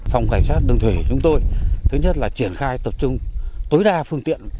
phòng cảnh sát đường thủy chúng tôi thứ nhất là triển khai tập trung tối đa phương tiện